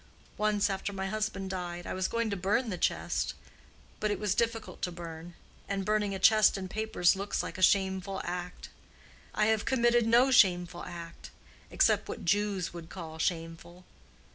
Once, after my husband died, I was going to burn the chest. But it was difficult to burn; and burning a chest and papers looks like a shameful act. I have committed no shameful act—except what Jews would call shameful.